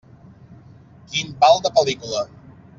Quin pal de pel·lícula.